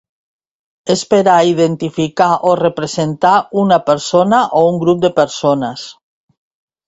És per a identificar o representar una persona o un grup de persones.